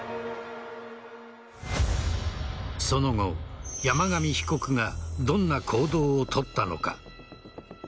その後、山上被告がどんな行動を取ったのか。